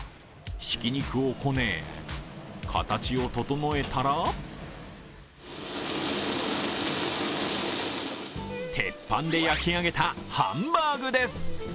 ひき肉をこね、形を整えたら鉄板で焼き上げたハンバーグです。